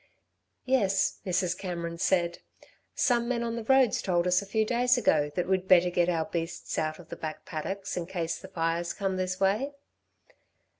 "Yes," Mrs. Cameron said, "some men on the roads told us a few days ago that we'd better get our beasts out of the back paddocks in case the fires come this way."